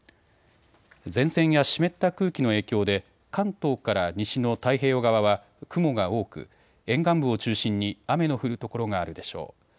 前線や湿った空気の影響で関東から西の太平洋側は雲が多く沿岸部を中心に雨の降る所があるでしょう。